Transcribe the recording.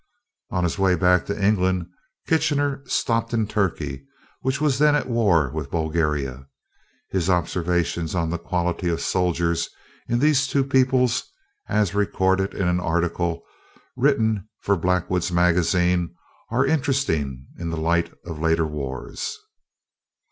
On his way back to England, Kitchener stopped in Turkey, which was then at war with Bulgaria. His observations on the qualities of soldiers in the two peoples, as recorded in an article written for Blackwood's Magazine, are interesting in the light of later wars.